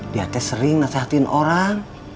dia teh sering nasehatiin orang